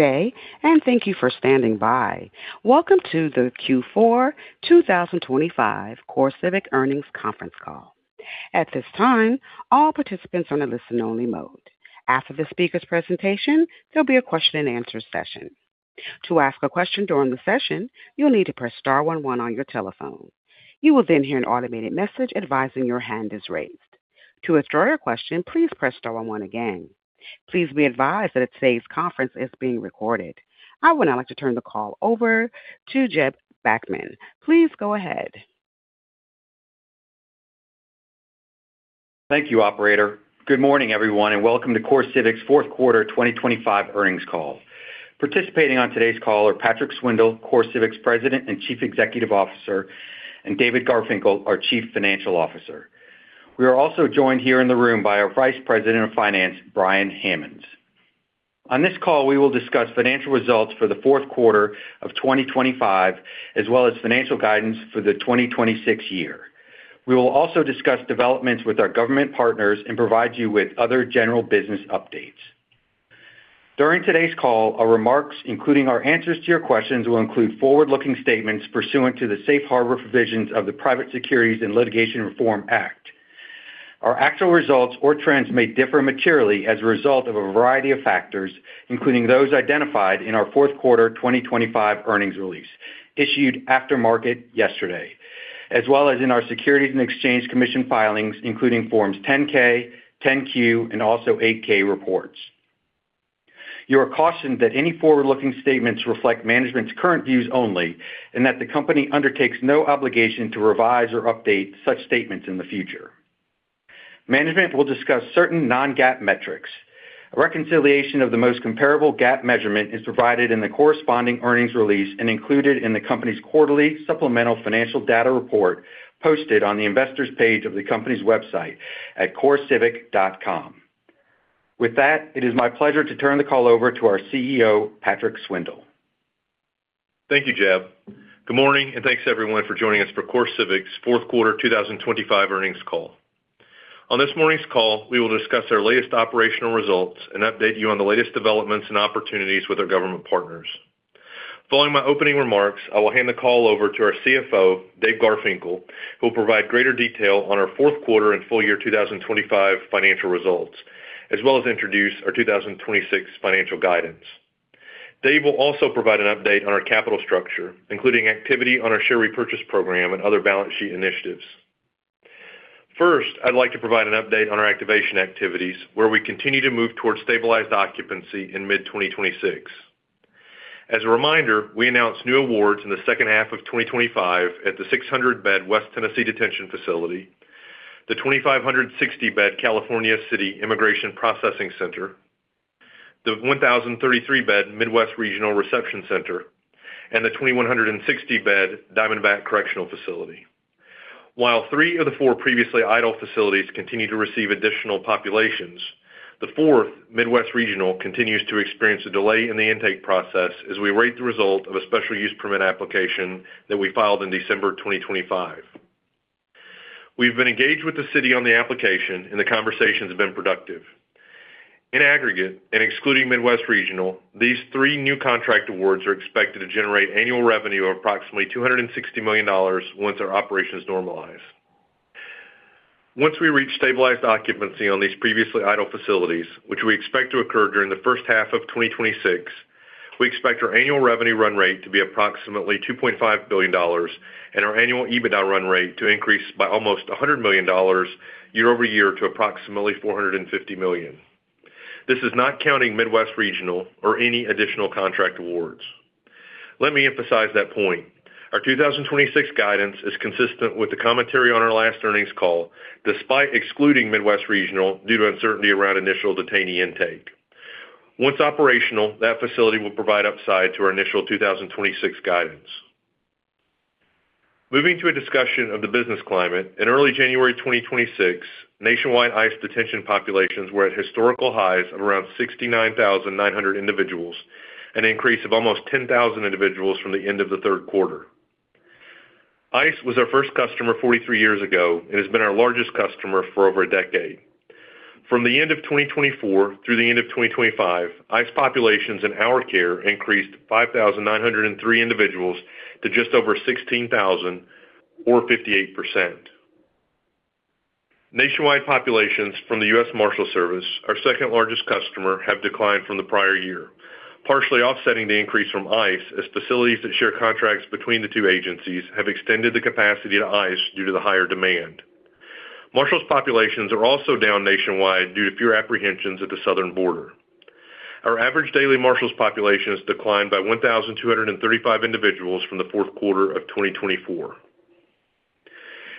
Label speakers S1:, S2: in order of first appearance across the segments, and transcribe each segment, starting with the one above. S1: day, and thank you for standing by. Welcome to the Q4 2025 CoreCivic Earnings Conference Call. At this time, all participants are in a listen-only mode. After the speaker's presentation, there'll be a question-and-answer session. To ask a question during the session, you'll need to press star one one on your telephone. You will then hear an automated message advising your hand is raised. To withdraw your question, please press star one one again. Please be advised that today's conference is being recorded. I would now like to turn the call over to Jeb Bachmann. Please go ahead.
S2: Thank you, operator. Good morning, everyone, and welcome to CoreCivic's fourth quarter 2025 earnings call. Participating on today's call are Patrick Swindle, CoreCivic's President and Chief Executive Officer, and David Garfinkle, our Chief Financial Officer. We are also joined here in the room by our Vice President of Finance, Brian Hammonds. On this call, we will discuss financial results for the fourth quarter of 2025, as well as financial guidance for the 2026 year. We will also discuss developments with our government partners and provide you with other general business updates. During today's call, our remarks, including our answers to your questions, will include forward-looking statements pursuant to the safe harbor provisions of the Private Securities Litigation Reform Act. Our actual results or trends may differ materially as a result of a variety of factors, including those identified in our fourth quarter 2025 earnings release, issued after market yesterday, as well as in our Securities and Exchange Commission filings, including Forms 10-K, 10-Q and also 8-K reports. You are cautioned that any forward-looking statements reflect management's current views only, and that the company undertakes no obligation to revise or update such statements in the future. Management will discuss certain non-GAAP metrics. A reconciliation of the most comparable GAAP measurement is provided in the corresponding earnings release and included in the company's quarterly supplemental financial data report, posted on the investors page of the company's website at corecivic.com. With that, it is my pleasure to turn the call over to our CEO, Patrick Swindle.
S3: Thank you, Jeb. Good morning, and thanks, everyone, for joining us for CoreCivic's fourth quarter 2025 earnings call. On this morning's call, we will discuss our latest operational results and update you on the latest developments and opportunities with our government partners. Following my opening remarks, I will hand the call over to our CFO, Dave Garfinkle, who will provide greater detail on our fourth quarter and full year 2025 financial results, as well as introduce our 2026 financial guidance. Dave will also provide an update on our capital structure, including activity on our share repurchase program and other balance sheet initiatives. First, I'd like to provide an update on our activation activities, where we continue to move towards stabilized occupancy in mid-2026. As a reminder, we announced new awards in the second half of 2025 at the 600-bed West Tennessee Detention Facility, the 2,560-bed California City Immigration Processing Center, the 1,033-bed Midwest Regional Reception Center, and the 2,160-bed Diamondback Correctional Facility. While three of the four previously idle facilities continue to receive additional populations, the fourth, Midwest Regional, continues to experience a delay in the intake process as we await the result of a special use permit application that we filed in December 2025. We've been engaged with the city on the application, and the conversations have been productive. In aggregate, and excluding Midwest Regional, these three new contract awards are expected to generate annual revenue of approximately $260 million once our operations normalize. Once we reach stabilized occupancy on these previously idle facilities, which we expect to occur during the first half of 2026, we expect our annual revenue run rate to be approximately $2.5 billion and our annual EBITDA run rate to increase by almost $100 million YoY to approximately $450 million. This is not counting Midwest Regional or any additional contract awards. Let me emphasize that point. Our 2026 guidance is consistent with the commentary on our last earnings call, despite excluding Midwest Regional due to uncertainty around initial detainee intake. Once operational, that facility will provide upside to our initial 2026 guidance. Moving to a discussion of the business climate, in early January 2026, nationwide ICE detention populations were at historical highs of around 69,900 individuals, an increase of almost 10,000 individuals from the end of the third quarter. ICE was our first customer 43 years ago and has been our largest customer for over a decade. From the end of 2024 through the end of 2025, ICE populations in our care increased 5,903 individuals to just over 16,000 or 58%. Nationwide populations from the U.S. Marshals Service, our second-largest customer, have declined from the prior year, partially offsetting the increase from ICE, as facilities that share contracts between the two agencies have extended the capacity to ICE due to the higher demand. Marshals populations are also down nationwide due to fewer apprehensions at the southern border. Our average daily Marshals population has declined by 1,235 individuals from the fourth quarter of 2024.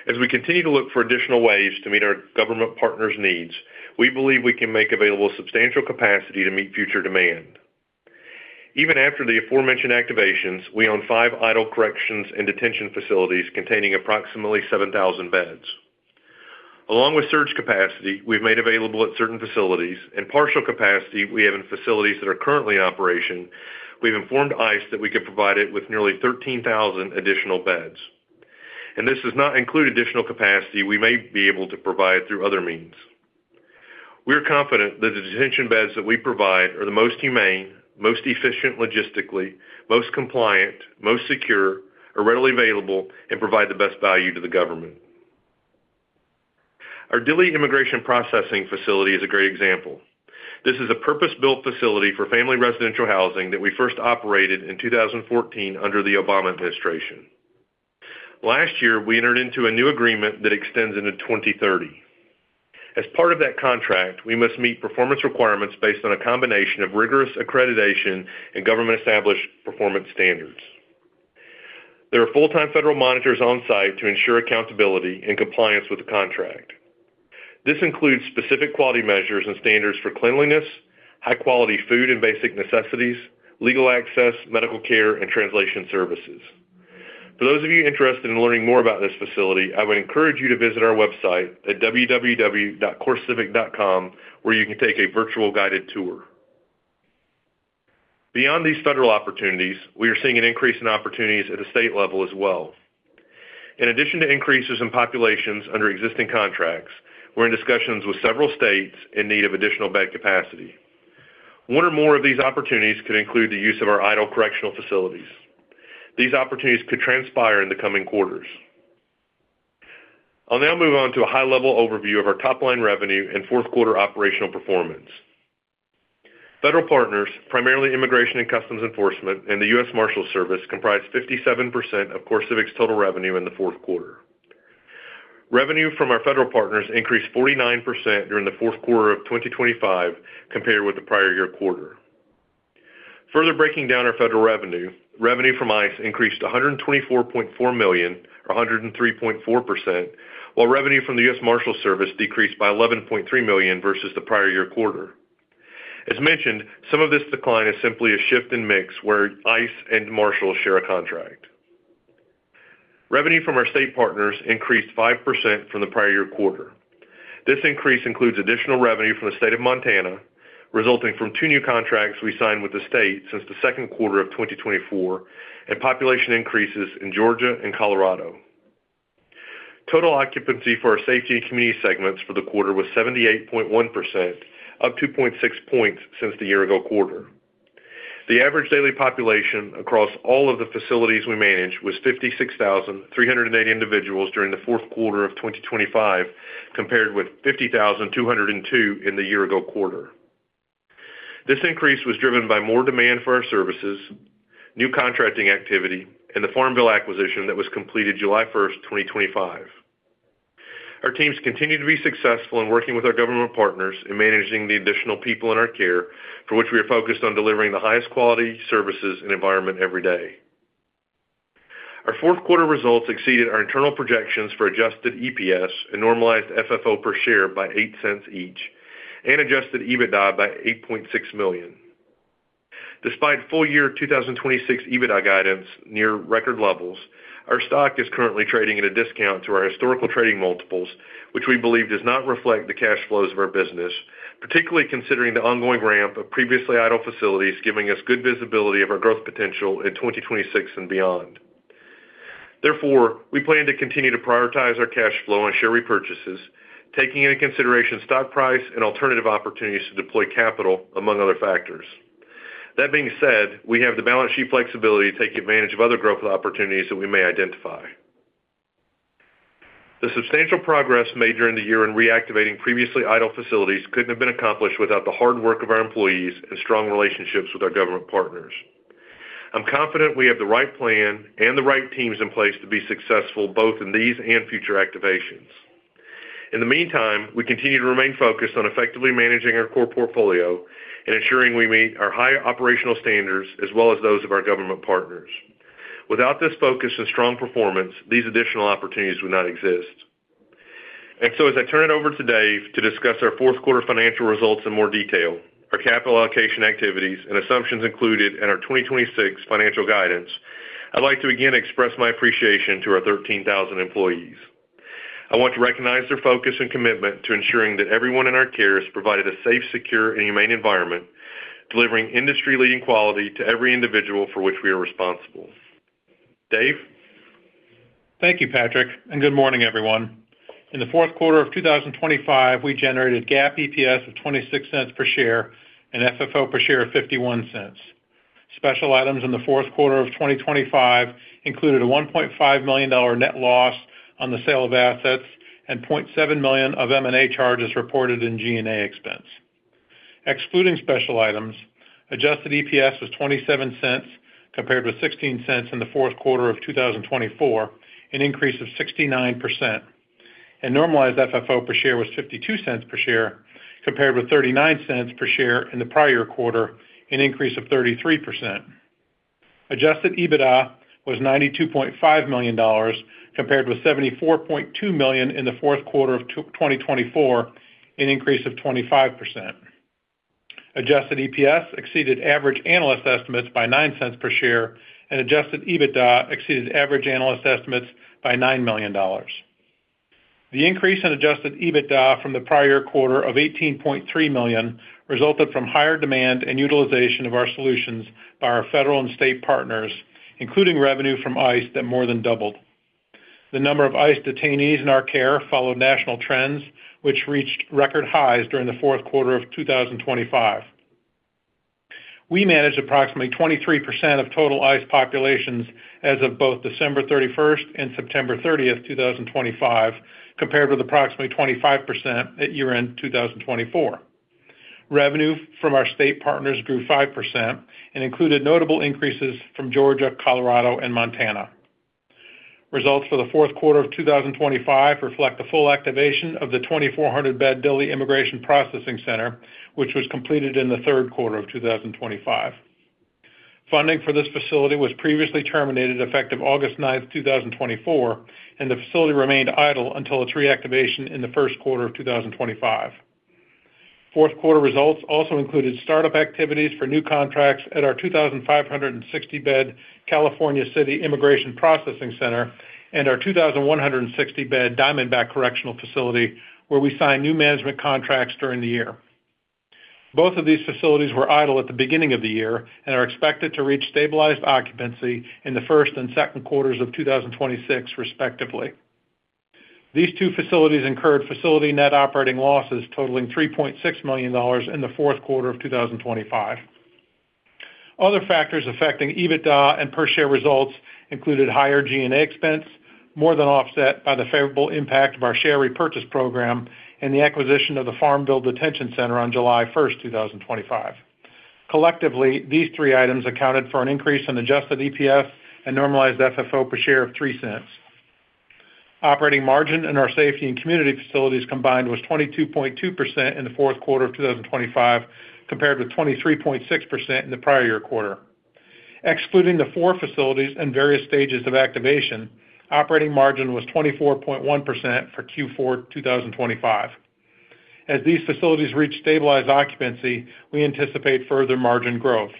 S3: As we continue to look for additional ways to meet our government partners' needs, we believe we can make available substantial capacity to meet future demand. Even after the aforementioned activations, we own 5 idle corrections and detention facilities containing approximately 7,000 beds. Along with surge capacity we've made available at certain facilities and partial capacity we have in facilities that are currently in operation, we've informed ICE that we could provide it with nearly 13,000 additional beds... and this does not include additional capacity we may be able to provide through other means. We are confident that the detention beds that we provide are the most humane, most efficient logistically, most compliant, most secure, are readily available, and provide the best value to the government. Our Dilley Immigration Processing Facility is a great example. This is a purpose-built facility for family residential housing that we first operated in 2014 under the Obama administration. Last year, we entered into a new agreement that extends into 2030. As part of that contract, we must meet performance requirements based on a combination of rigorous accreditation and government-established performance standards. There are full-time federal monitors on site to ensure accountability and compliance with the contract. This includes specific quality measures and standards for cleanliness, high-quality food and basic necessities, legal access, medical care, and translation services. For those of you interested in learning more about this facility, I would encourage you to visit our website at www.corecivic.com, where you can take a virtual guided tour. Beyond these federal opportunities, we are seeing an increase in opportunities at the state level as well. In addition to increases in populations under existing contracts, we're in discussions with several states in need of additional bed capacity. One or more of these opportunities could include the use of our idle correctional facilities. These opportunities could transpire in the coming quarters. I'll now move on to a high-level overview of our top-line revenue and fourth quarter operational performance. Federal partners, primarily Immigration and Customs Enforcement and the U.S. Marshals Service, comprised 57% of CoreCivic's total revenue in the fourth quarter. Revenue from our federal partners increased 49% during the fourth quarter of 2025 compared with the prior year quarter. Further breaking down our federal revenue, revenue from ICE increased to $124.4 million, or 103.4%, while revenue from the U.S. Marshals Service decreased by $11.3 million versus the prior year quarter. As mentioned, some of this decline is simply a shift in mix where ICE and Marshals share a contract. Revenue from our state partners increased 5% from the prior year quarter. This increase includes additional revenue from the state of Montana, resulting from two new contracts we signed with the state since the second quarter of 2024, and population increases in Georgia and Colorado. Total occupancy for our Safety and Community segments for the quarter was 78.1%, up 2.6 points since the year-ago quarter. The average daily population across all of the facilities we manage was 56,380 individuals during the fourth quarter of 2025, compared with 50,202 in the year-ago quarter. This increase was driven by more demand for our services, new contracting activity, and the Farmville acquisition that was completed July 1st, 2025. Our teams continue to be successful in working with our government partners in managing the additional people in our care, for which we are focused on delivering the highest quality, services, and environment every day. Our fourth quarter results exceeded our internal projections for Adjusted EPS and Normalized FFO per share by $0.08 each and Adjusted EBITDA by $8.6 million. Despite full year 2026 EBITDA guidance near record levels, our stock is currently trading at a discount to our historical trading multiples, which we believe does not reflect the cash flows of our business, particularly considering the ongoing ramp of previously idle facilities, giving us good visibility of our growth potential in 2026 and beyond. Therefore, we plan to continue to prioritize our cash flow and share repurchases, taking into consideration stock price and alternative opportunities to deploy capital, among other factors. That being said, we have the balance sheet flexibility to take advantage of other growth opportunities that we may identify. The substantial progress made during the year in reactivating previously idle facilities couldn't have been accomplished without the hard work of our employees and strong relationships with our government partners. I'm confident we have the right plan and the right teams in place to be successful, both in these and future activations. In the meantime, we continue to remain focused on effectively managing our core portfolio and ensuring we meet our high operational standards, as well as those of our government partners. Without this focus and strong performance, these additional opportunities would not exist. And so, as I turn it over today to discuss our fourth quarter financial results in more detail, our capital allocation activities and assumptions included in our 2026 financial guidance, I'd like to again express my appreciation to our 13,000 employees. I want to recognize their focus and commitment to ensuring that everyone in our care is provided a safe, secure, and humane environment, delivering industry-leading quality to every individual for which we are responsible. Dave?
S4: Thank you, Patrick, and good morning, everyone. In the fourth quarter of 2025, we generated GAAP EPS of $0.26 per share and FFO per share of $0.51. Special items in the fourth quarter of 2025 included a $1.5 million net loss on the sale of assets and $0.7 million of M&A charges reported in G&A expense. Excluding special items, Adjusted EPS was $0.27, compared with $0.16 in the fourth quarter of 2024, an increase of 69%, and Normalized FFO per share was $0.52 per share, compared with $0.39 per share in the prior quarter, an increase of 33%. Adjusted EBITDA was $92.5 million, compared with $74.2 million in the fourth quarter of 2024, an increase of 25%. Adjusted EPS exceeded average analyst estimates by $0.09 per share, and Adjusted EBITDA exceeded average analyst estimates by $9 million. The increase in Adjusted EBITDA from the prior quarter of $18.3 million resulted from higher demand and utilization of our solutions by our federal and state partners, including revenue from ICE that more than doubled. The number of ICE detainees in our care followed national trends, which reached record highs during the fourth quarter of 2025. We managed approximately 23% of total ICE populations as of both December 31st and September 30th, 2025, compared with approximately 25% at year-end 2024. Revenue from our state partners grew 5% and included notable increases from Georgia, Colorado, and Montana. Results for the fourth quarter of 2025 reflect the full activation of the 2,400-bed Dilley Immigration Processing Facility, which was completed in the third quarter of 2025. Funding for this facility was previously terminated effective August 9th, 2024, and the facility remained idle until its reactivation in the first quarter of 2025. Fourth quarter results also included startup activities for new contracts at our 2,560-bed California City Immigration Processing Center and our 2,160-bed Diamondback Correctional Facility, where we signed new management contracts during the year. Both of these facilities were idle at the beginning of the year and are expected to reach stabilized occupancy in the first and second quarters of 2026, respectively. These two facilities incurred facility net operating losses totaling $3.6 million in the fourth quarter of 2025. Other factors affecting EBITDA and per share results included higher G&A expense, more than offset by the favorable impact of our share repurchase program and the acquisition of the Farmville Detention Center on July 1st, 2025. Collectively, these three items accounted for an increase in Adjusted EPS and Normalized FFO per share of $0.03. Operating margin in our Safety and Community facilities combined was 22.2% in the fourth quarter of 2025, compared with 23.6% in the prior year quarter. Excluding the four facilities in various stages of activation, operating margin was 24.1% for Q4 2025. As these facilities reach stabilized occupancy, we anticipate further margin growth.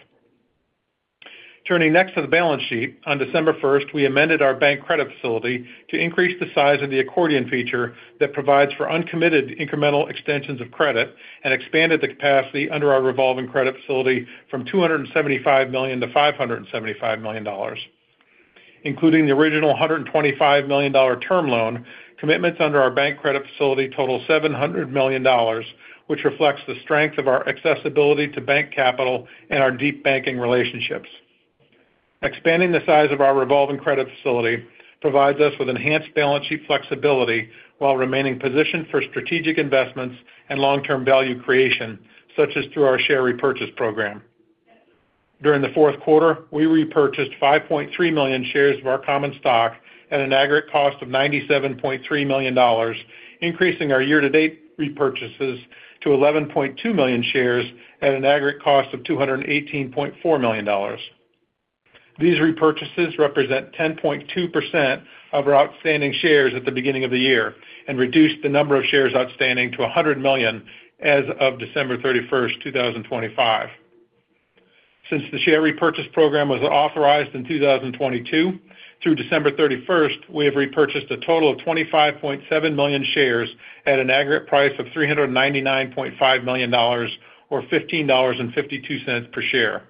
S4: Turning next to the balance sheet. On December 1st, we amended our bank credit facility to increase the size of the accordion feature that provides for uncommitted incremental extensions of credit and expanded the capacity under our revolving credit facility from $275 million-$575 million, including the original $125 million term loan. Commitments under our bank credit facility total $700 million, which reflects the strength of our accessibility to bank capital and our deep banking relationships. Expanding the size of our revolving credit facility provides us with enhanced balance sheet flexibility while remaining positioned for strategic investments and long-term value creation, such as through our share repurchase program. During the fourth quarter, we repurchased 5.3 million shares of our common stock at an aggregate cost of $97.3 million, increasing our year-to-date repurchases to 11.2 million shares at an aggregate cost of $218.4 million. These repurchases represent 10.2% of our outstanding shares at the beginning of the year and reduced the number of shares outstanding to 100 million as of December 31st, 2025. Since the share repurchase program was authorized in 2022, through December 31st, we have repurchased a total of 25.7 million shares at an aggregate price of $399.5 million, or $15.52 per share.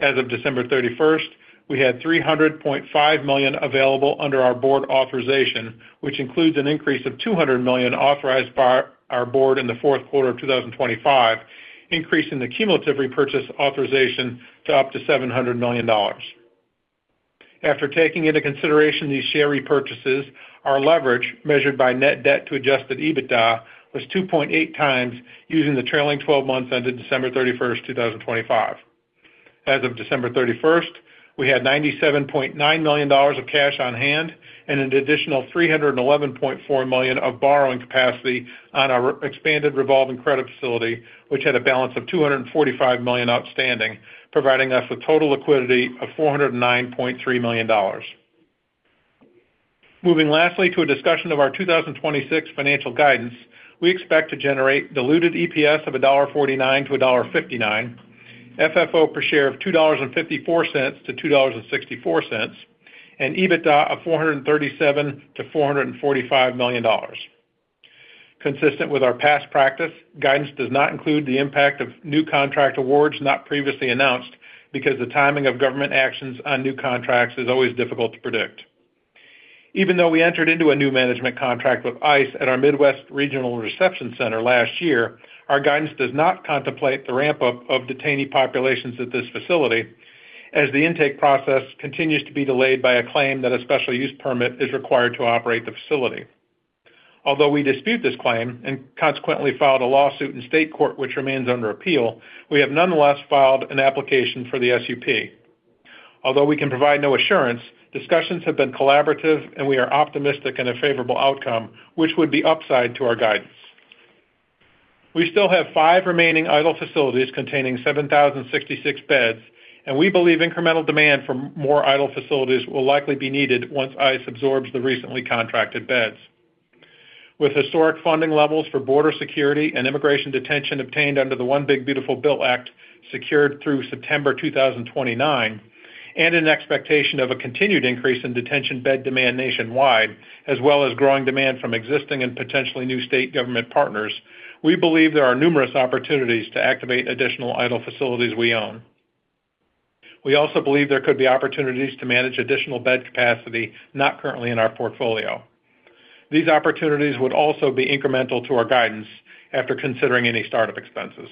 S4: As of December 31st, we had $300.5 million available under our Board authorization, which includes an increase of $200 million authorized by our Board in the fourth quarter of 2025, increasing the cumulative repurchase authorization to up to $700 million. After taking into consideration these share repurchases, our leverage, measured by net debt to Adjusted EBITDA, was 2.8x using the trailing twelve months ended December 31st, 2025. As of December 31st, we had $97.9 million of cash on hand and an additional $311.4 million of borrowing capacity on our expanded revolving credit facility, which had a balance of $245 million outstanding, providing us with total liquidity of $409.3 million. Moving lastly to a discussion of our 2026 financial guidance, we expect to generate diluted EPS of $1.49-$1.59, FFO per share of $2.54-$2.64, and EBITDA of $437 million-$445 million. Consistent with our past practice, guidance does not include the impact of new contract awards not previously announced, because the timing of government actions on new contracts is always difficult to predict. Even though we entered into a new management contract with ICE at our Midwest Regional Reception Center last year, our guidance does not contemplate the ramp-up of detainee populations at this facility, as the intake process continues to be delayed by a claim that a special use permit is required to operate the facility. Although we dispute this claim and consequently filed a lawsuit in state court, which remains under appeal, we have nonetheless filed an application for the SUP. Although we can provide no assurance, discussions have been collaborative and we are optimistic in a favorable outcome, which would be upside to our guidance. We still have five remaining idle facilities containing 7,066 beds, and we believe incremental demand for more idle facilities will likely be needed once ICE absorbs the recently contracted beds. With historic funding levels for border security and immigration detention obtained under the One Big Beautiful Bill Act, secured through September 2029, and an expectation of a continued increase in detention bed demand nationwide, as well as growing demand from existing and potentially new state government partners, we believe there are numerous opportunities to activate additional idle facilities we own. We also believe there could be opportunities to manage additional bed capacity not currently in our portfolio. These opportunities would also be incremental to our guidance after considering any start-up expenses.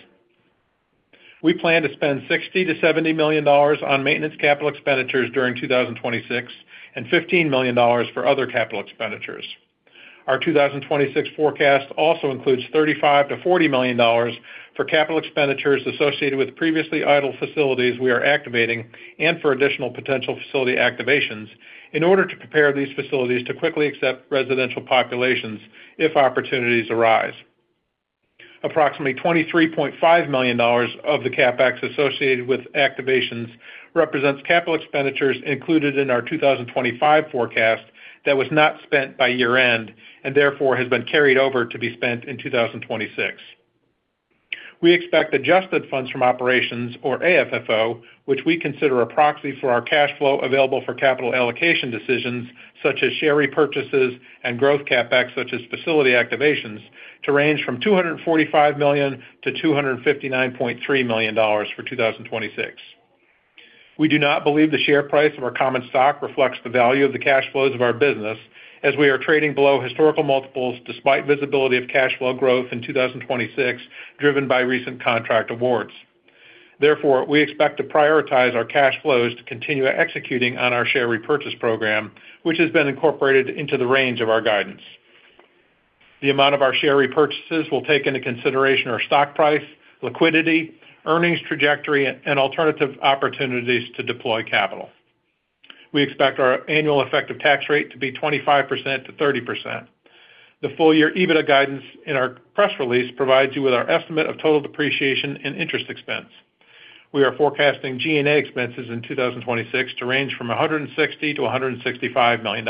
S4: We plan to spend $60 million-$70 million on maintenance capital expenditures during 2026, and $15 million for other capital expenditures. Our 2026 forecast also includes $35 million-$40 million for capital expenditures associated with previously idle facilities we are activating, and for additional potential facility activations, in order to prepare these facilities to quickly accept residential populations if opportunities arise. Approximately $23.5 million of the CapEx associated with activations represents capital expenditures included in our 2025 forecast that was not spent by year-end, and therefore has been carried over to be spent in 2026. We expect adjusted funds from operations, or AFFO, which we consider a proxy for our cash flow available for capital allocation decisions such as share repurchases and growth CapEx, such as facility activations, to range from $245 million-$259.3 million for 2026. We do not believe the share price of our common stock reflects the value of the cash flows of our business, as we are trading below historical multiples despite visibility of cash flow growth in 2026, driven by recent contract awards. Therefore, we expect to prioritize our cash flows to continue executing on our share repurchase program, which has been incorporated into the range of our guidance. The amount of our share repurchases will take into consideration our stock price, liquidity, earnings trajectory, and alternative opportunities to deploy capital. We expect our annual effective tax rate to be 25%-30%. The full-year EBITDA guidance in our press release provides you with our estimate of total depreciation and interest expense. We are forecasting G&A expenses in 2026 to range from $160 million-$165 million.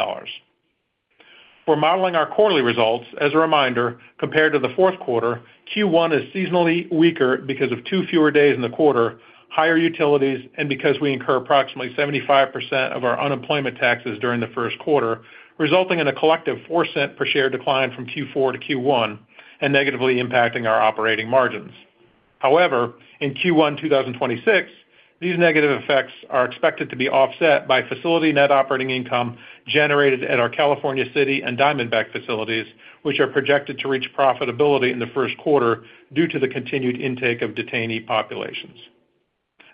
S4: For modeling our quarterly results, as a reminder, compared to the fourth quarter, Q1 is seasonally weaker because of two fewer days in the quarter, higher utilities, and because we incur approximately 75% of our unemployment taxes during the first quarter, resulting in a collective $0.04 per share decline from Q4 to Q1, and negatively impacting our operating margins. However, in Q1 2026, these negative effects are expected to be offset by facility net operating income generated at our California City and Diamondback facilities, which are projected to reach profitability in the first quarter due to the continued intake of detainee populations.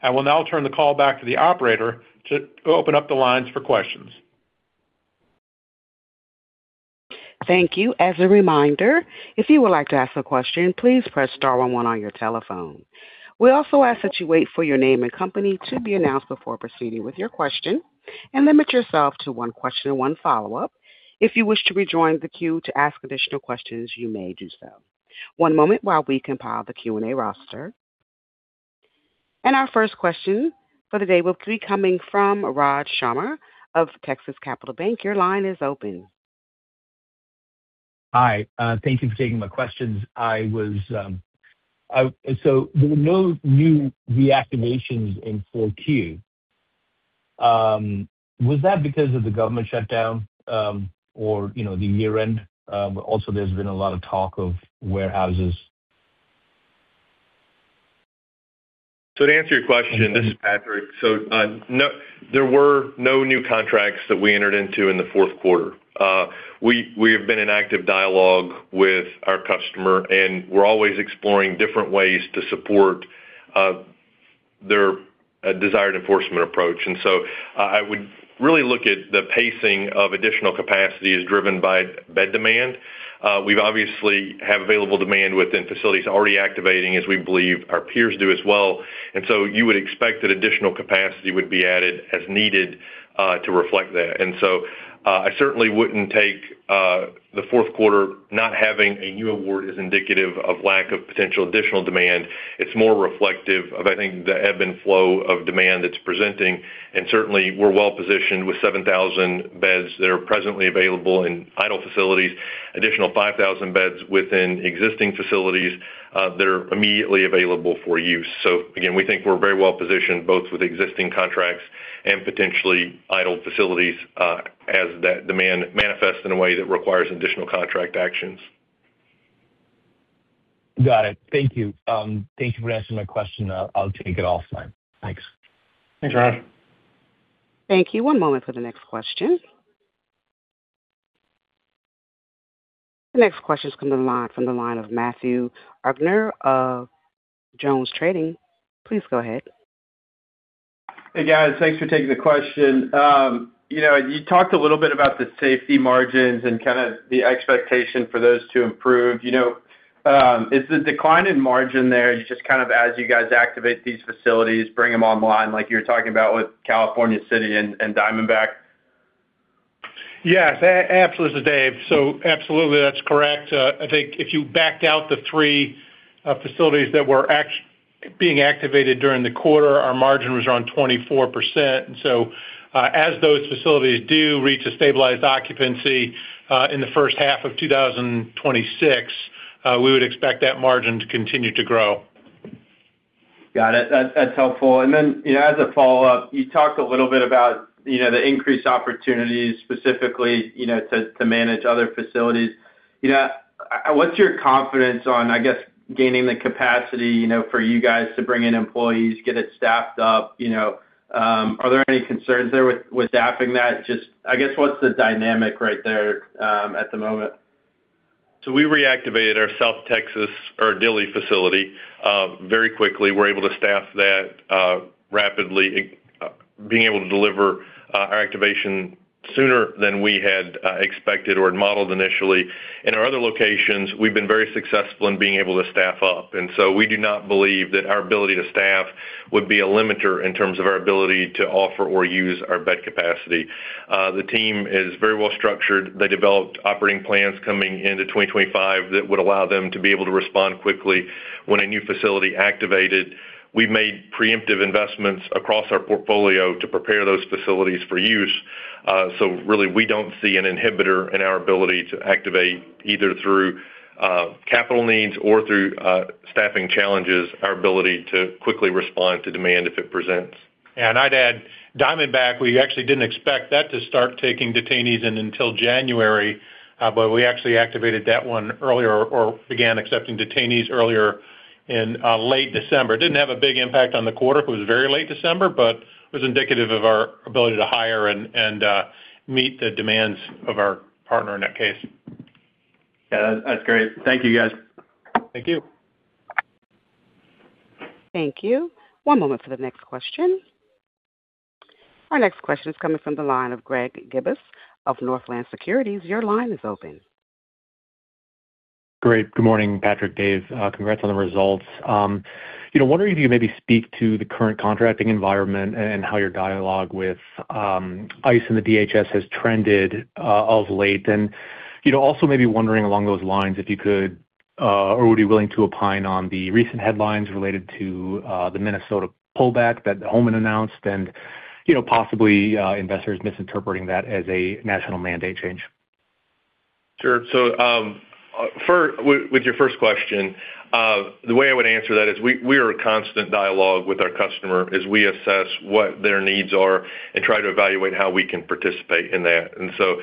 S4: I will now turn the call back to the operator to open up the lines for questions.
S1: Thank you. As a reminder, if you would like to ask a question, please press star one, one on your telephone. We also ask that you wait for your name and company to be announced before proceeding with your question, and limit yourself to one question and one follow-up. If you wish to rejoin the queue to ask additional questions, you may do so. One moment while we compile the Q&A roster. Our first question for the day will be coming from Raj Sharma of Texas Capital Bank. Your line is open.
S5: Hi, thank you for taking my questions. So there were no new reactivations in Q4. Was that because of the government shutdown, or, you know, the year-end? Also, there's been a lot of talk of warehouses.
S3: So to answer your question, this is Patrick. So, no, there were no new contracts that we entered into in the fourth quarter. We have been in active dialogue with our customer, and we're always exploring different ways to support their desired enforcement approach. And so I would really look at the pacing of additional capacity as driven by bed demand. We've obviously have available demand within facilities already activating, as we believe our peers do as well, and so you would expect that additional capacity would be added as needed to reflect that. And so I certainly wouldn't take the fourth quarter not having a new award as indicative of lack of potential additional demand. It's more reflective of, I think, the ebb and flow of demand that's presenting, and certainly, we're well positioned with 7,000 beds that are presently available in idle facilities, additional 5,000 beds within existing facilities, that are immediately available for use. So again, we think we're very well positioned both with existing contracts and potentially idle facilities, as that demand manifests in a way that requires additional contract actions.
S5: Got it. Thank you. Thank you for answering my question. I'll take it offline. Thanks.
S4: Thanks, Raj.
S1: Thank you. One moment for the next question. The next question is coming from the line, from the line of Matthew Ubben of JonesTrading. Please go ahead.
S6: Hey, guys. Thanks for taking the question. You know, you talked a little bit about the safety margins and kind of the expectation for those to improve. You know, is the decline in margin there, you just kind of, as you guys activate these facilities, bring them online, like you're talking about with California City and Diamondback?
S4: Yes, absolutely, Dave. So absolutely, that's correct. I think if you backed out the three facilities that were being activated during the quarter, our margin was around 24%. And so, as those facilities do reach a stabilized occupancy, in the first half of 2026, we would expect that margin to continue to grow.
S6: Got it. That's helpful. And then, you know, as a follow-up, you talked a little bit about, you know, the increased opportunities specifically, you know, to manage other facilities. You know, what's your confidence on, I guess, gaining the capacity, you know, for you guys to bring in employees, get it staffed up, you know? Are there any concerns there with staffing that? Just, I guess, what's the dynamic right there at the moment?
S3: So we reactivated our South Texas or Dilley facility, very quickly. We're able to staff that, rapidly, being able to deliver, our activation sooner than we had, expected or modeled initially. In our other locations, we've been very successful in being able to staff up, and so we do not believe that our ability to staff would be a limiter in terms of our ability to offer or use our bed capacity. The team is very well structured. They developed operating plans coming into 2025 that would allow them to be able to respond quickly when a new facility activated. We've made preemptive investments across our portfolio to prepare those facilities for use. So really, we don't see an inhibitor in our ability to activate, either through capital needs or through staffing challenges, our ability to quickly respond to demand if it presents.
S4: And I'd add, Diamondback, we actually didn't expect that to start taking detainees in until January, but we actually activated that one earlier or began accepting detainees earlier in late December. Didn't have a big impact on the quarter. It was very late December, but it was indicative of our ability to hire and meet the demands of our partner in that case.
S6: Yeah, that's great. Thank you, guys.
S3: Thank you.
S1: Thank you. One moment for the next question. Our next question is coming from the line of Greg Gibas of Northland Securities. Your line is open.
S7: Great. Good morning, Patrick, Dave. Congrats on the results. You know, wondering if you could maybe speak to the current contracting environment and how your dialogue with ICE and the DHS has trended of late. And you know, also maybe wondering along those lines, if you could or would you be willing to opine on the recent headlines related to the Minnesota pullback that Homan announced and you know, possibly investors misinterpreting that as a national mandate change?
S3: Sure. So, with your first question, the way I would answer that is we are in constant dialogue with our customer as we assess what their needs are and try to evaluate how we can participate in that. And so,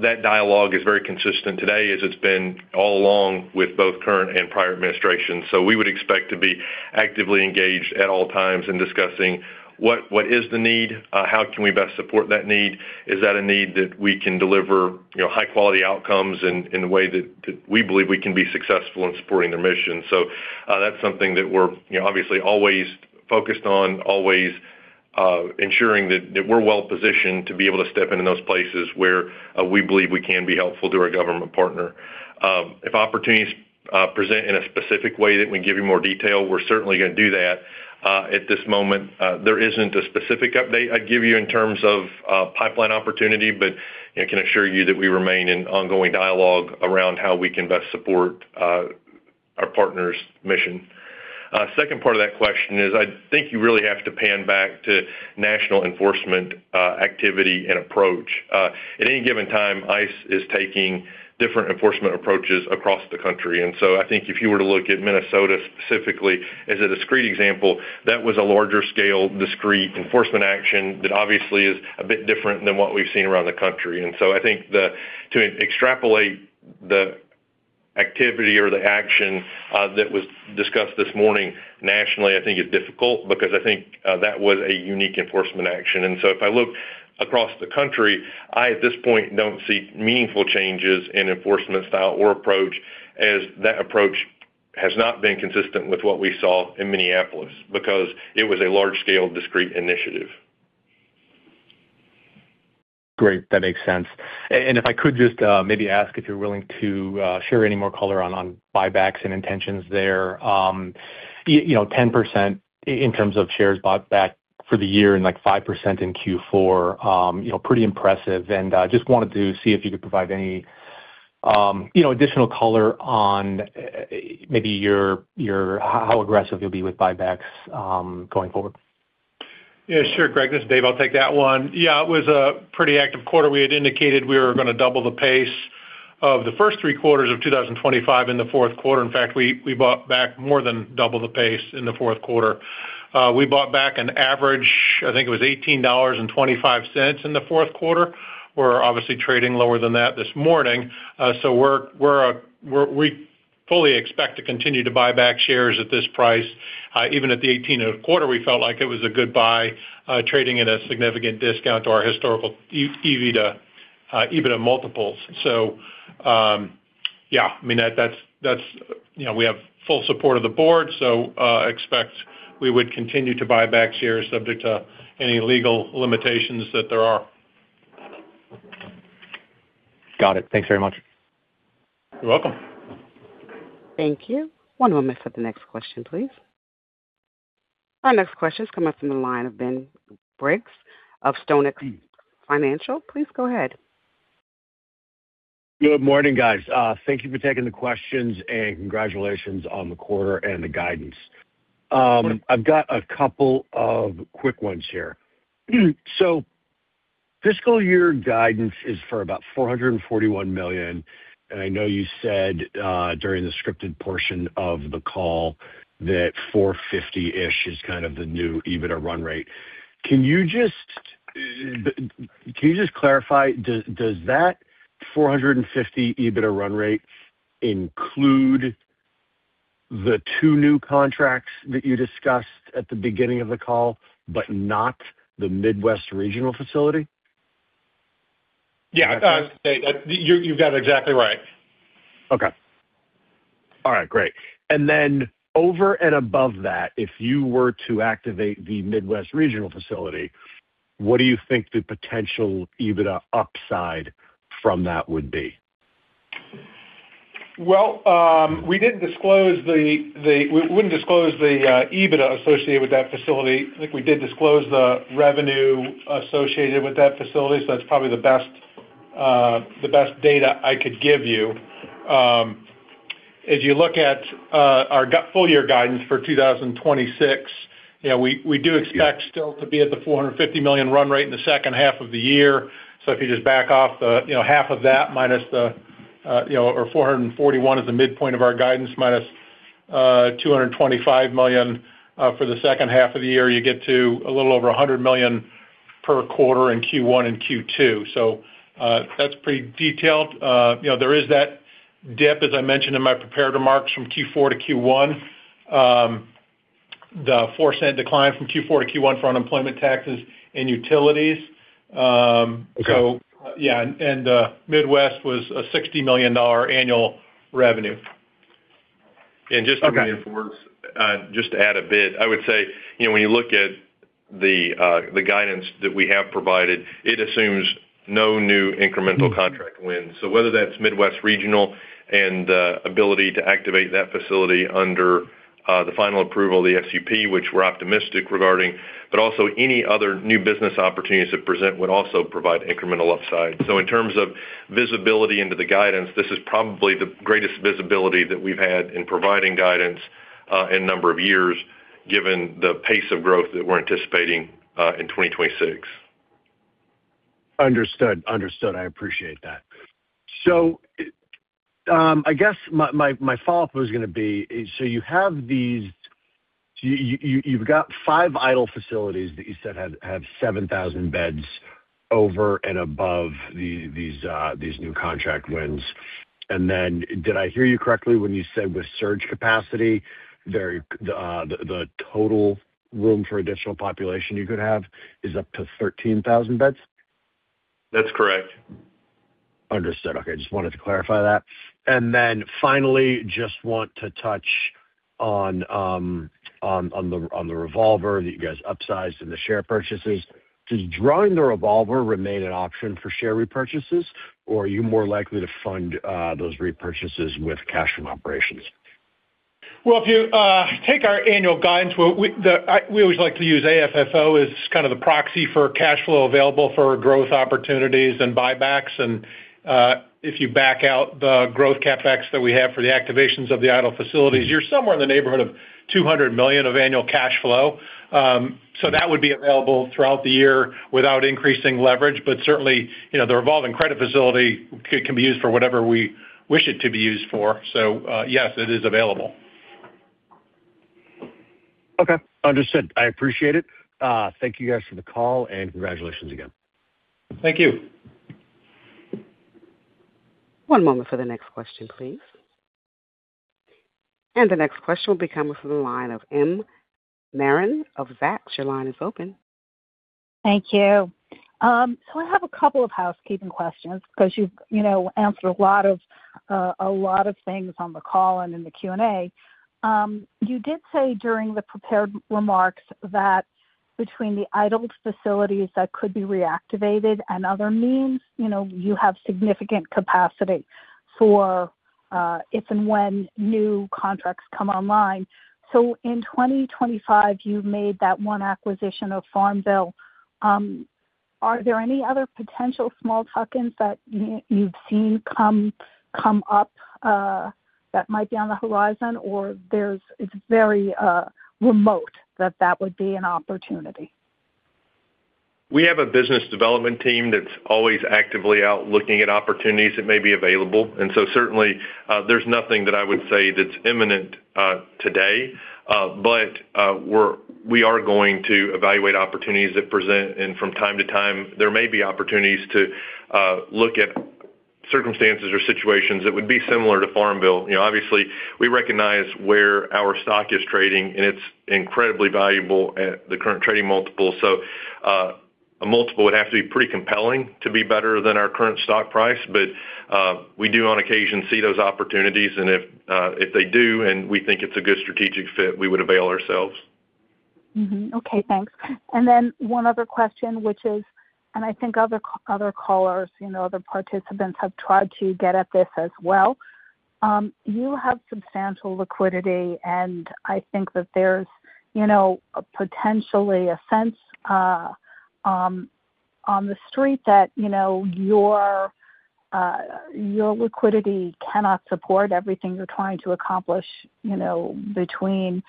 S3: that dialogue is very consistent today, as it's been all along with both current and prior administrations. So we would expect to be actively engaged at all times in discussing what is the need? How can we best support that need? Is that a need that we can deliver, you know, high-quality outcomes in a way that we believe we can be successful in supporting their mission. So, that's something that we're, you know, obviously always focused on, always ensuring that we're well positioned to be able to step into those places where we believe we can be helpful to our government partner. If opportunities present in a specific way that we give you more detail, we're certainly going to do that. At this moment, there isn't a specific update I'd give you in terms of pipeline opportunity, but I can assure you that we remain in ongoing dialogue around how we can best support our partners' mission. Second part of that question is, I think you really have to pan back to national enforcement activity and approach. At any given time, ICE is taking different enforcement approaches across the country. I think if you were to look at Minnesota specifically as a discrete example, that was a larger scale, discrete enforcement action that obviously is a bit different than what we've seen around the country. So I think to extrapolate the activity or the action that was discussed this morning nationally, I think is difficult because I think that was a unique enforcement action. So if I look across the country, I at this point don't see meaningful changes in enforcement style or approach, as that approach has not been consistent with what we saw in Minneapolis, because it was a large-scale, discrete initiative.
S7: Great, that makes sense. And if I could just, maybe ask if you're willing to share any more color on buybacks and intentions there. You know, 10% in terms of shares bought back for the year and, like, 5% in Q4, you know, pretty impressive. And just wanted to see if you could provide any, you know, additional color on, maybe your, your -- how aggressive you'll be with buybacks, going forward.
S4: Yeah, sure, Greg, this is Dave. I'll take that one. Yeah, it was a pretty active quarter. We had indicated we were going to double the pace of the first three quarters of 2025 in the fourth quarter. In fact, we bought back more than double the pace in the fourth quarter. We bought back an average, I think it was $18.25 in the fourth quarter. We're obviously trading lower than that this morning. So we're—we fully expect to continue to buy back shares at this price. Even at the $18 a quarter, we felt like it was a good buy, trading at a significant discount to our historical EBITDA multiples. Yeah, I mean, that's, you know, we have full support of the Board, so expect we would continue to buy back shares subject to any legal limitations that there are.
S7: Got it. Thanks very much.
S4: You're welcome.
S1: Thank you. One moment for the next question, please. Our next question is coming from the line of Ben Briggs of StoneX Financial. Please go ahead....
S8: Good morning, guys. Thank you for taking the questions, and congratulations on the quarter and the guidance. I've got a couple of quick ones here. So fiscal year guidance is for about $441 million, and I know you said during the scripted portion of the call that 450-ish is kind of the new EBITDA run rate. Can you just clarify, does that $450 EBITDA run rate include the two new contracts that you discussed at the beginning of the call, but not the Midwest Regional facility?
S4: Yeah, you, you've got it exactly right.
S8: Okay. All right, great. And then over and above that, if you were to activate the Midwest Regional facility, what do you think the potential EBITDA upside from that would be?
S4: Well, we didn't disclose the EBITDA associated with that facility. I think we did disclose the revenue associated with that facility, so that's probably the best data I could give you. As you look at our full year guidance for 2026, you know, we do expect still to be at the $450 million run rate in the second half of the year. So if you just back off the, you know, half of that minus the, or 441 is the midpoint of our guidance, minus $225 million for the second half of the year, you get to a little over $100 million per quarter in Q1 and Q2. So, that's pretty detailed. You know, there is that dip, as I mentioned in my prepared remarks, from Q4 to Q1. The 4-cent decline from Q4 to Q1 for unemployment taxes and utilities.
S8: Okay.
S4: So, yeah, and, Midwest was a $60 million annual revenue.
S3: Just to reinforce—
S8: Okay.
S3: Just to add a bit, I would say, you know, when you look at the guidance that we have provided, it assumes no new incremental contract wins. So whether that's Midwest Regional and ability to activate that facility under the final approval of the SUP, which we're optimistic regarding, but also any other new business opportunities that present would also provide incremental upside. So in terms of visibility into the guidance, this is probably the greatest visibility that we've had in providing guidance in a number of years, given the pace of growth that we're anticipating in 2026.
S8: Understood. Understood. I appreciate that. So, I guess my follow-up was gonna be, so you have these... you, you've got five idle facilities that you said had, have 7,000 beds over and above the, these, these new contract wins. And then did I hear you correctly when you said with surge capacity, there, the total room for additional population you could have is up to 13,000 beds?
S4: That's correct.
S8: Understood. Okay, I just wanted to clarify that. And then finally, just want to touch on the revolver that you guys upsized and the share purchases. Does drawing the revolver remain an option for share repurchases, or are you more likely to fund those repurchases with cash from operations?
S4: Well, if you take our annual guidance, we always like to use AFFO as kind of the proxy for cash flow available for growth opportunities and buybacks. If you back out the growth CapEx that we have for the activations of the idle facilities, you're somewhere in the neighborhood of $200 million of annual cash flow. That would be available throughout the year without increasing leverage, but certainly, you know, the revolving credit facility can be used for whatever we wish it to be used for. Yes, it is available.
S8: Okay, understood. I appreciate it. Thank you guys for the call, and congratulations again.
S4: Thank you.
S1: One moment for the next question, please. The next question will be coming from the line of M. Marin of Zacks. Your line is open.
S9: Thank you. So I have a couple of housekeeping questions, because you've, you know, answered a lot of, a lot of things on the call and in the Q&A. You did say during the prepared remarks that between the idled facilities that could be reactivated and other means, you know, you have significant capacity for, if and when new contracts come online. So in 2025, you made that one acquisition of Farmville. Are there any other potential small tuck-ins that you've seen come up, that might be on the horizon? Or there's, it's very remote, that that would be an opportunity?
S3: We have a business development team that's always actively out looking at opportunities that may be available, and so certainly, there's nothing that I would say that's imminent today. But we are going to evaluate opportunities that present, and from time to time, there may be opportunities to look at circumstances or situations that would be similar to Farmville. You know, obviously, we recognize where our stock is trading, and it's incredibly valuable at the current trading multiple. So a multiple would have to be pretty compelling to be better than our current stock price. But we do on occasion see those opportunities, and if they do, and we think it's a good strategic fit, we would avail ourselves.
S9: Mm-hmm. Okay, thanks. And then one other question, which is, and I think other callers, you know, other participants have tried to get at this as well. You have substantial liquidity, and I think that there's, you know, potentially a sense on the street that, you know, your liquidity cannot support everything you're trying to accomplish, you know, between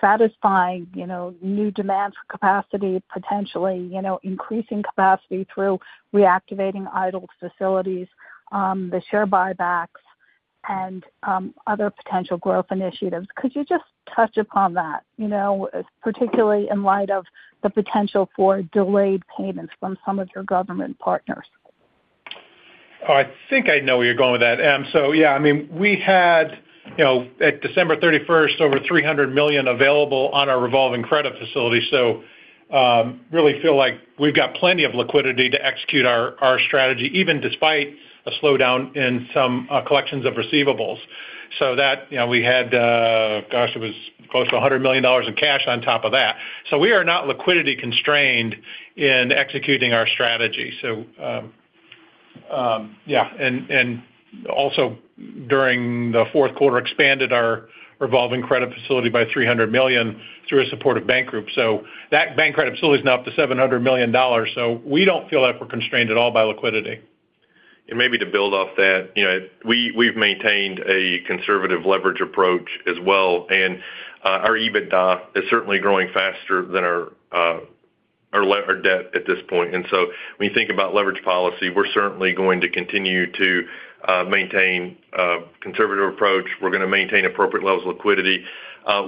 S9: satisfying, you know, new demands for capacity, potentially, you know, increasing capacity through reactivating idle facilities, the share buybacks and other potential growth initiatives. Could you just touch upon that, you know, particularly in light of the potential for delayed payments from some of your government partners?
S4: Oh, I think I know where you're going with that, M. So, yeah, I mean, we had, you know, at December 31st, over $300 million available on our revolving credit facility. So, really feel like we've got plenty of liquidity to execute our strategy, even despite a slowdown in some collections of receivables. So that, you know, we had, gosh, it was close to $100 million in cash on top of that. So we are not liquidity constrained in executing our strategy. So, yeah, and also during the fourth quarter, expanded our revolving credit facility by $300 million through a supportive bank group. So that bank credit facility is now up to $700 million. So we don't feel like we're constrained at all by liquidity.
S3: And maybe to build off that, you know, we, we've maintained a conservative leverage approach as well, and, our EBITDA is certainly growing faster than our, our debt at this point. So when you think about leverage policy, we're certainly going to continue to maintain a conservative approach. We're gonna maintain appropriate levels of liquidity.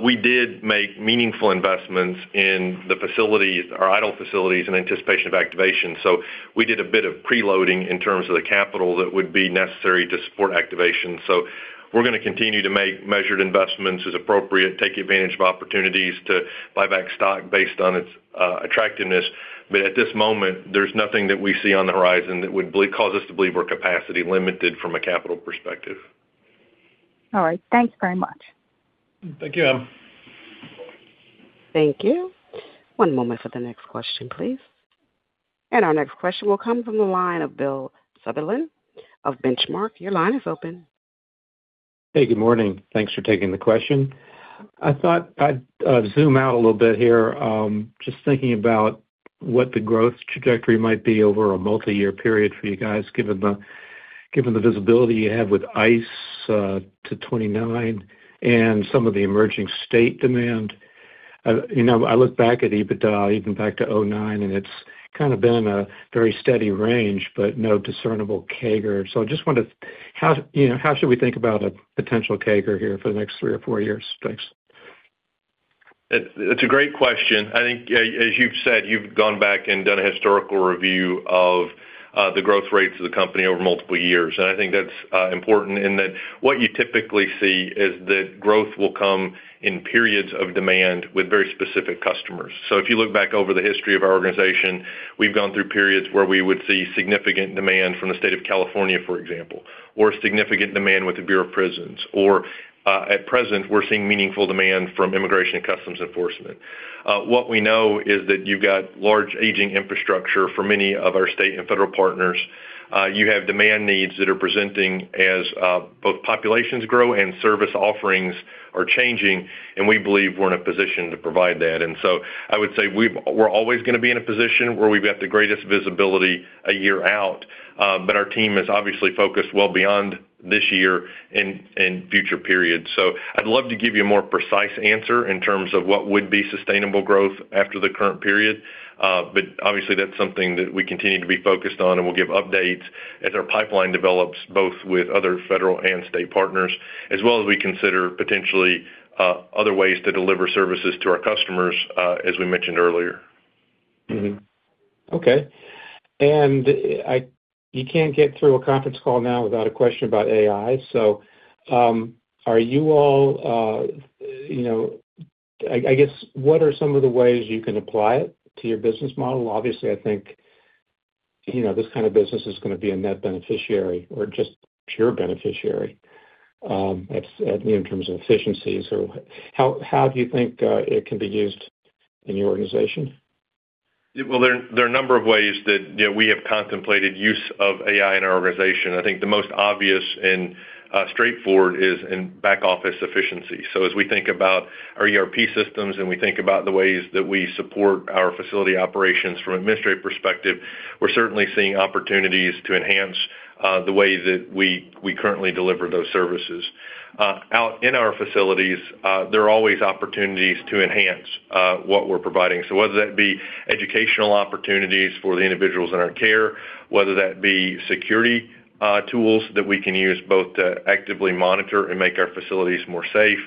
S3: We did make meaningful investments in the facilities, our idle facilities, in anticipation of activation. So we did a bit of preloading in terms of the capital that would be necessary to support activation. So we're gonna continue to make measured investments as appropriate, take advantage of opportunities to buy back stock based on its, attractiveness. But at this moment, there's nothing that we see on the horizon that would cause us to believe we're capacity limited from a capital perspective.
S9: All right. Thanks very much.
S4: Thank you, M.
S1: Thank you. One moment for the next question, please. Our next question will come from the line of Bill Sutherland of Benchmark. Your line is open.
S10: Hey, good morning. Thanks for taking the question. I thought I'd zoom out a little bit here. Just thinking about what the growth trajectory might be over a multiyear period for you guys, given the, given the visibility you have with ICE to 2029 and some of the emerging state demand. You know, I look back at EBITDA, even back to 2009, and it's kind of been a very steady range, but no discernible CAGR. So I just wanted to... How, you know, how should we think about a potential CAGR here for the next three or four years? Thanks.
S3: It, it's a great question. I think, as you've said, you've gone back and done a historical review of the growth rates of the company over multiple years. And I think that's important in that what you typically see is that growth will come in periods of demand with very specific customers. So if you look back over the history of our organization, we've gone through periods where we would see significant demand from the state of California, for example, or significant demand with the Bureau of Prisons, or at present, we're seeing meaningful demand from Immigration and Customs Enforcement. What we know is that you've got large aging infrastructure for many of our state and federal partners. You have demand needs that are presenting as both populations grow and service offerings are changing, and we believe we're in a position to provide that. And so I would say we're always gonna be in a position where we've got the greatest visibility a year out, but our team is obviously focused well beyond this year and future periods. So I'd love to give you a more precise answer in terms of what would be sustainable growth after the current period, but obviously, that's something that we continue to be focused on, and we'll give updates as our pipeline develops, both with other federal and state partners, as well as we consider potentially other ways to deliver services to our customers, as we mentioned earlier.
S10: Mm-hmm. Okay. And you can't get through a conference call now without a question about AI. So, are you all, you know, I guess, what are some of the ways you can apply it to your business model? Obviously, I think, you know, this kind of business is gonna be a net beneficiary or just pure beneficiary, at least in terms of efficiencies. So how do you think it can be used in your organization?
S3: Well, there are a number of ways that, you know, we have contemplated use of AI in our organization. I think the most obvious and straightforward is in back office efficiency. So as we think about our ERP systems and we think about the ways that we support our facility operations from an administrative perspective, we're certainly seeing opportunities to enhance the way that we currently deliver those services. Out in our facilities, there are always opportunities to enhance what we're providing. So whether that be educational opportunities for the individuals in our care, whether that be security tools that we can use both to actively monitor and make our facilities more safe,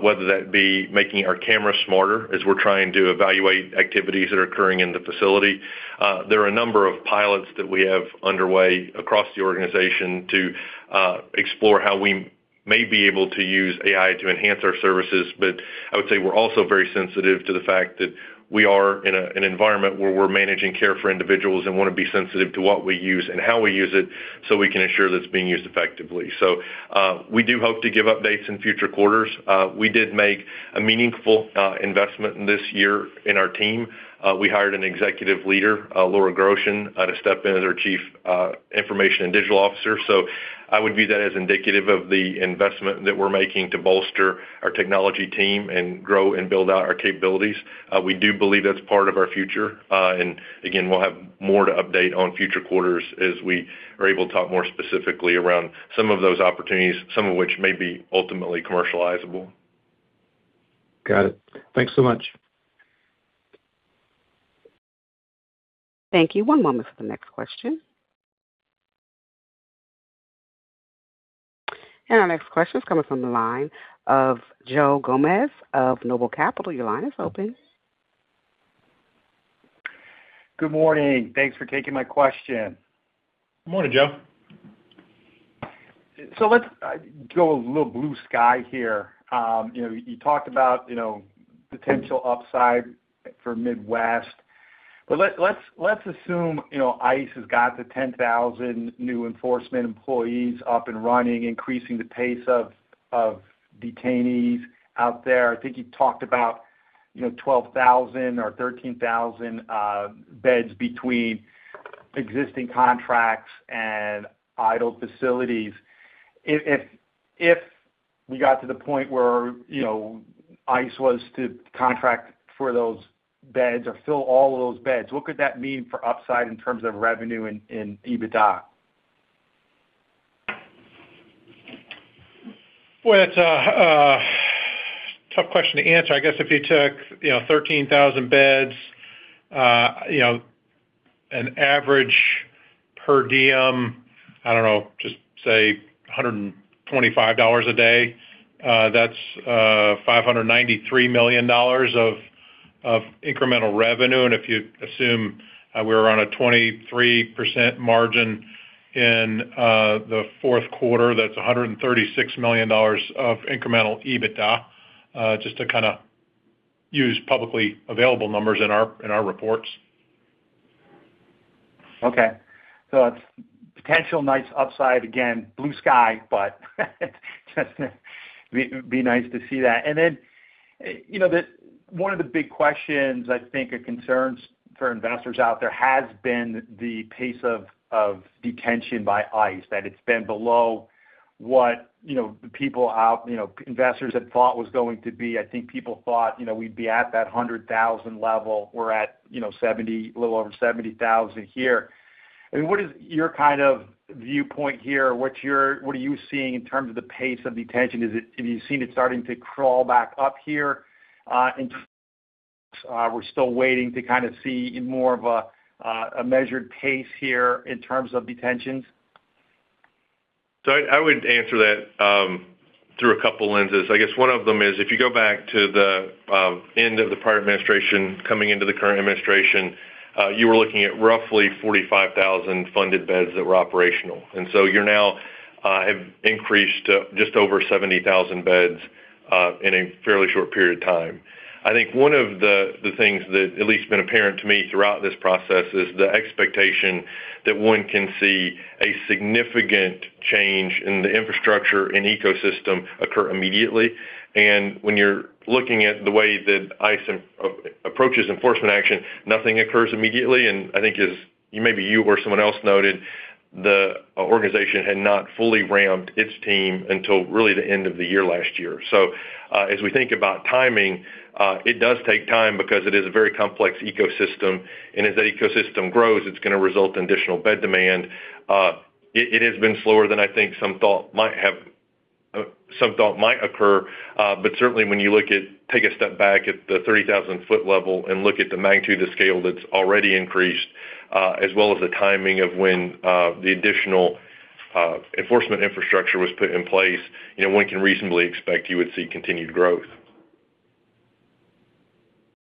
S3: whether that be making our cameras smarter as we're trying to evaluate activities that are occurring in the facility. There are a number of pilots that we have underway across the organization to explore how we may be able to use AI to enhance our services. I would say we're also very sensitive to the fact that we are in an environment where we're managing care for individuals and want to be sensitive to what we use and how we use it, so we can ensure that it's being used effectively. So, we do hope to give updates in future quarters. We did make a meaningful investment in this year in our team. We hired an executive leader, Laura Groschen, to step in as our Chief Information and Digital Officer. So I would view that as indicative of the investment that we're making to bolster our technology team and grow and build out our capabilities. We do believe that's part of our future. And again, we'll have more to update on future quarters as we are able to talk more specifically around some of those opportunities, some of which may be ultimately commercializable.
S10: Got it. Thanks so much.
S1: Thank you. One moment for the next question. Our next question is coming from the line of Joe Gomes of Noble Capital. Your line is open.
S11: Good morning. Thanks for taking my question.
S3: Good morning, Joe.
S11: So let's go a little blue sky here. You know, you talked about, you know, potential upside for Midwest, but let's assume, you know, ICE has got the 10,000 new enforcement employees up and running, increasing the pace of detainees out there. I think you talked about, you know, 12,000 or 13,000 beds between existing contracts and idle facilities. If we got to the point where, you know, ICE was to contract for those beds or fill all of those beds, what could that mean for upside in terms of revenue and EBITDA?
S3: Boy, that's a tough question to answer. I guess if you took, you know, 13,000 beds, you know, an average per diem, I don't know, just say $125 a day, that's $593 million of incremental revenue. And if you assume, we're around a 23% margin in the fourth quarter, that's $136 million of incremental EBITDA, just to kinda use publicly available numbers in our reports.
S11: Okay. So it's potential nice upside, again, blue sky, but just be nice to see that. And then, you know, the one of the big questions, I think, or concerns for investors out there has been the pace of detention by ICE, that it's been below what, you know, the people out, you know, investors had thought was going to be. I think people thought, you know, we'd be at that 100,000 level. We're at, you know, 70, a little over 70,000 here. I mean, what is your kind of viewpoint here? What's your what are you seeing in terms of the pace of detention? Is it have you seen it starting to crawl back up here, and we're still waiting to kind of see more of a, a measured pace here in terms of detentions?
S3: So I, I would answer that, through a couple lenses. I guess one of them is, if you go back to the, end of the prior administration coming into the current administration, you were looking at roughly 45,000 funded beds that were operational, and so you're now, have increased to just over 70,000 beds, in a fairly short period of time. I think one of the, the things that at least been apparent to me throughout this process is the expectation that one can see a significant change in the infrastructure and ecosystem occur immediately. And when you're looking at the way that ICE approaches enforcement action, nothing occurs immediately, and I think as, maybe you or someone else noted, the, organization had not fully ramped its team until really the end of the year last year. So, as we think about timing, it does take time because it is a very complex ecosystem, and as that ecosystem grows, it's gonna result in additional bed demand. It has been slower than I think some thought might have, some thought might occur. But certainly when you look at, take a step back at the 30,000-foot level and look at the magnitude of scale that's already increased, as well as the timing of when the additional enforcement infrastructure was put in place, you know, one can reasonably expect you would see continued growth.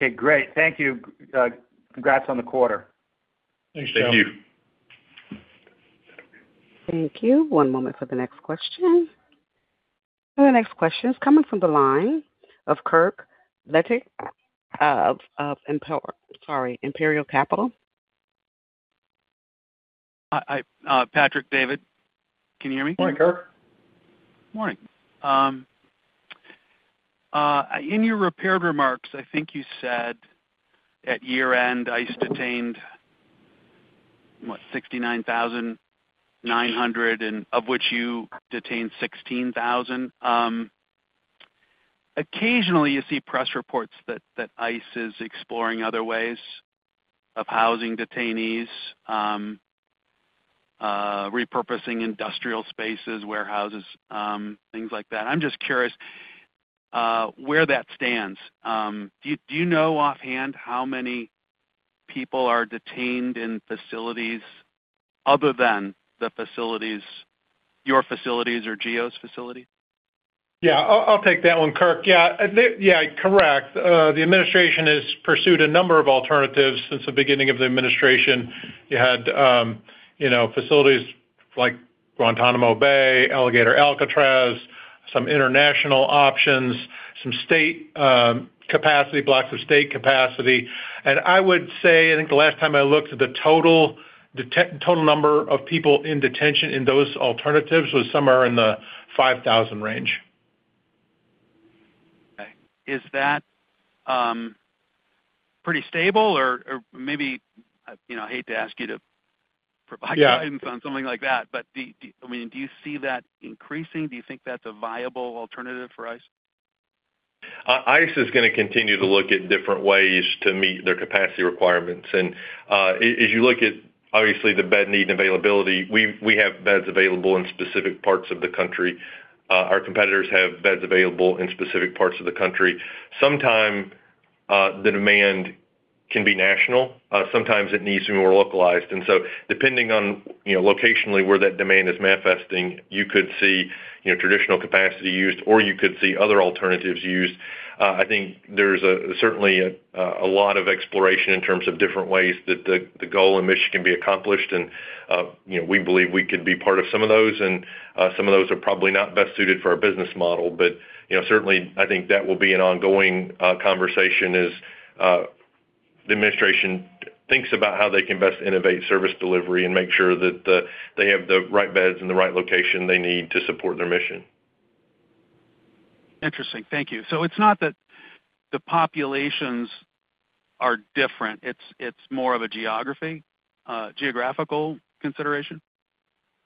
S11: Okay, great. Thank you. Congrats on the quarter.
S3: Thanks, Joe.
S11: Thank you.
S1: Thank you. One moment for the next question. The next question is coming from the line of Kirk Ludtke of Imperial Capital.
S12: Hi, I, Patrick, David, can you hear me?
S3: Morning, Kirk.
S12: Morning. In your prepared remarks, I think you said at year-end, ICE detained, what? 69,900, and of which you detained 16,000. Occasionally, you see press reports that, that ICE is exploring other ways of housing detainees, repurposing industrial spaces, warehouses, things like that. I'm just curious, where that stands. Do you, do you know offhand how many people are detained in facilities other than the facilities, your facilities or GEO's facilities?
S4: Yeah, I'll take that one, Kirk. Yeah, they, yeah, correct. The administration has pursued a number of alternatives since the beginning of the administration. You had, you know, facilities like Guantanamo Bay, Alligator Alcatraz, some international options, some state, capacity, blocks of state capacity. And I would say, I think the last time I looked at the total, the total number of people in detention in those alternatives was somewhere in the 5,000 range.
S12: Okay. Is that pretty stable? Or maybe, you know, I hate to ask you to provide-
S3: Yeah
S12: guidance on something like that, but, I mean, do you see that increasing? Do you think that's a viable alternative for ICE?
S3: ICE is gonna continue to look at different ways to meet their capacity requirements. As you look at, obviously, the bed need and availability, we have beds available in specific parts of the country. Our competitors have beds available in specific parts of the country. Sometimes the demand can be national, sometimes it needs to be more localized. And so depending on, you know, locationally where that demand is manifesting, you could see, you know, traditional capacity used, or you could see other alternatives used. I think there's certainly a lot of exploration in terms of different ways that the goal and mission can be accomplished, and, you know, we believe we could be part of some of those, and some of those are probably not best suited for our business model. But, you know, certainly, I think that will be an ongoing conversation as the administration thinks about how they can best innovate service delivery and make sure that they have the right beds in the right location they need to support their mission.
S12: Interesting. Thank you. So it's not that the populations are different, it's more of a geographical consideration?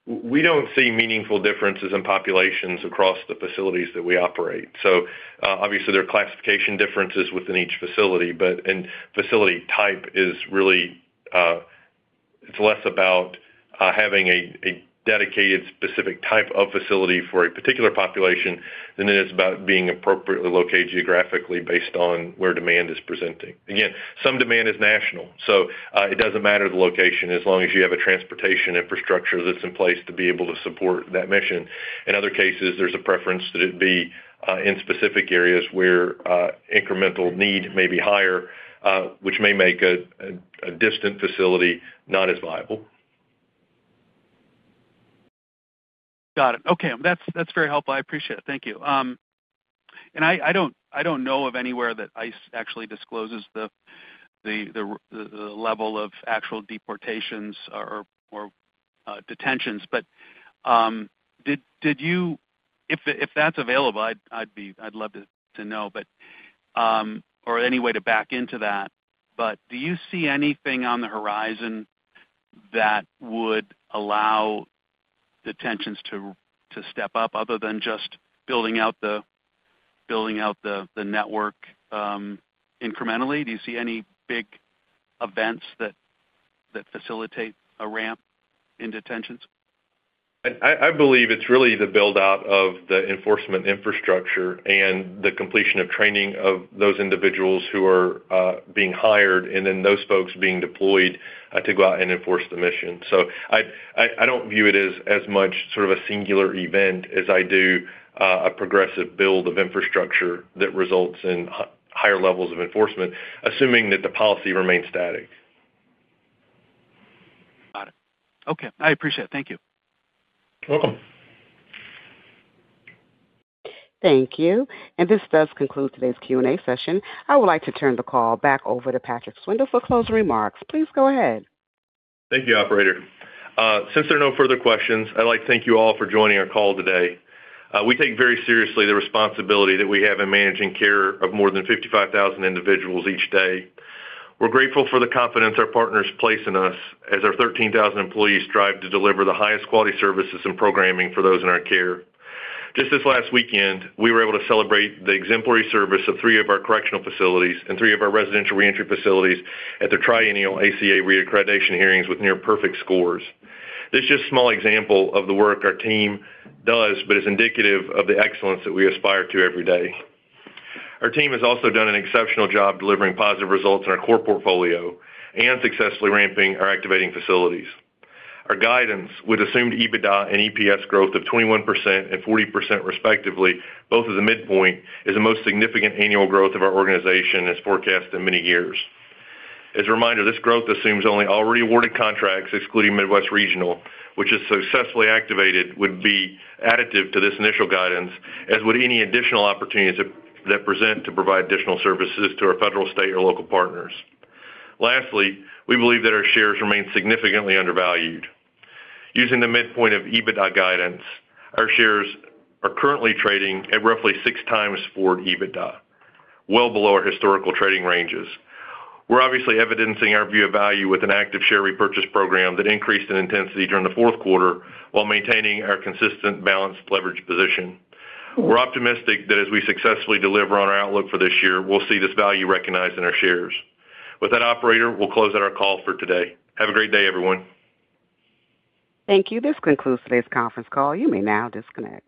S3: We don't see meaningful differences in populations across the facilities that we operate. So, obviously, there are classification differences within each facility, and facility type is really, it's less about having a dedicated, specific type of facility for a particular population than it is about being appropriately located geographically based on where demand is presenting. Again, some demand is national, so, it doesn't matter the location, as long as you have a transportation infrastructure that's in place to be able to support that mission. In other cases, there's a preference that it be in specific areas where incremental need may be higher, which may make a distant facility not as viable.
S12: Got it. Okay. That's very helpful. I appreciate it. Thank you. And I don't know of anywhere that ICE actually discloses the level of actual deportations or detentions, but did you... If that's available, I'd be-- I'd love to know, or any way to back into that. But do you see anything on the horizon that would allow detentions to step up, other than just building out the network incrementally? Do you see any big events that facilitate a ramp in detentions?
S3: I believe it's really the build-out of the enforcement infrastructure and the completion of training of those individuals who are being hired, and then those folks being deployed to go out and enforce the mission. So I don't view it as much sort of a singular event as I do a progressive build of infrastructure that results in higher levels of enforcement, assuming that the policy remains static.
S12: Got it. Okay. I appreciate it. Thank you.
S3: You're welcome.
S1: Thank you. This does conclude today's Q&A session. I would like to turn the call back over to Patrick Swindle for closing remarks. Please go ahead.
S3: Thank you, operator. Since there are no further questions, I'd like to thank you all for joining our call today. We take very seriously the responsibility that we have in managing care of more than 55,000 individuals each day. We're grateful for the confidence our partners place in us, as our 13,000 employees strive to deliver the highest quality services and programming for those in our care. Just this last weekend, we were able to celebrate the exemplary service of three of our correctional facilities and three of our residential reentry facilities at their triennial ACA reaccreditation hearings with near perfect scores. This is just a small example of the work our team does, but is indicative of the excellence that we aspire to every day. Our team has also done an exceptional job delivering positive results in our core portfolio and successfully ramping our activating facilities. Our guidance, with assumed EBITDA and EPS growth of 21% and 40% respectively, both as a midpoint, is the most significant annual growth of our organization and is forecast in many years. As a reminder, this growth assumes only already awarded contracts, excluding Midwest Regional, which is successfully activated, would be additive to this initial guidance, as would any additional opportunities that present to provide additional services to our federal, state, or local partners. Lastly, we believe that our shares remain significantly undervalued. Using the midpoint of EBITDA guidance, our shares are currently trading at roughly 6x forward EBITDA, well below our historical trading ranges. We're obviously evidencing our view of value with an active share repurchase program that increased in intensity during the fourth quarter while maintaining our consistent balanced leverage position. We're optimistic that as we successfully deliver on our outlook for this year, we'll see this value recognized in our shares. With that, operator, we'll close out our call for today. Have a great day, everyone.
S1: Thank you. This concludes today's conference call. You may now disconnect.